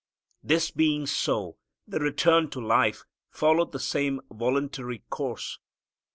This being so, the return to life followed the same voluntary course.